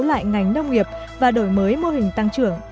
lại ngành nông nghiệp và đổi mới mô hình tăng trưởng